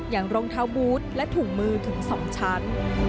อย่างรองเท้าบูธและถุงมือถึงสองชั้น